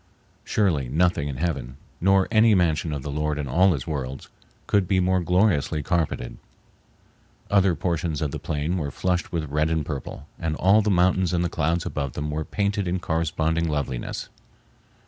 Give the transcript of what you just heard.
Surely nothing in heaven, nor any mansion of the Lord in all his worlds, could be more gloriously carpeted. Other portions of the plain were flushed with red and purple, and all the mountains and the clouds above them were painted in corresponding loveliness.